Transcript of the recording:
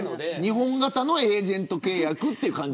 日本型のエージェント契約という感じ。